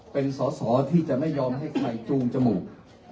เป็นสอสอที่จะไม่ยอมให้ใครจูงจมูก